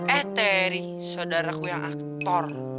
eh terry saudaraku yang aktor